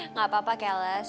nggak apa apa keles